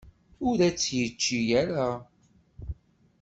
Ur as-tt-yečči ara.